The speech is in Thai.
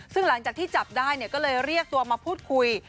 ซึ่งหลังจากที่จับได้ก็เลยเรียกตัวมาพูดคุย